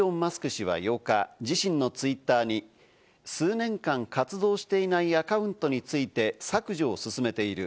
氏は８日、自身のツイッターに数年間、活動していないアカウントについて削除を進めている。